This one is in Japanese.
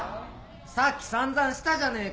さっきさんざんしたじゃねえか。